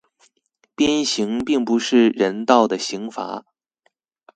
鞭刑並不是人道的刑罰